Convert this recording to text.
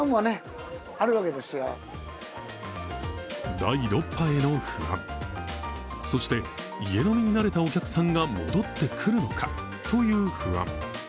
第６波への不安、そして、家飲みになれたお客さんが戻ってくるのかという不安。